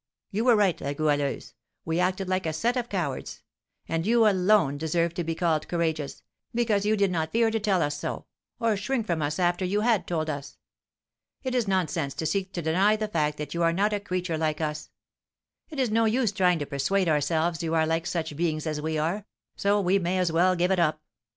You were right, La Goualeuse. We acted like a set of cowards; and you alone deserve to be called courageous, because you did not fear to tell us so, or shrink from us after you had told us. It is nonsense to seek to deny the fact that you are not a creature like us, it is no use trying to persuade ourselves you are like such beings as we are, so we may as well give it up.